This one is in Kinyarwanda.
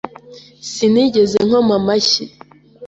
Sinigeze nkoma amashyi. ”